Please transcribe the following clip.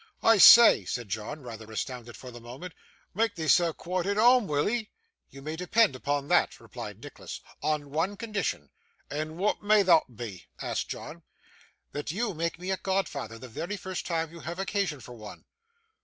'I say,' said John, rather astounded for the moment, 'mak' theeself quite at whoam, will 'ee?' 'You may depend upon that,' replied Nicholas; 'on one condition.' 'And wa'at may thot be?' asked John. 'That you make me a godfather the very first time you have occasion for one.